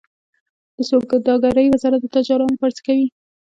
د سوداګرۍ وزارت د تجارانو لپاره څه کوي؟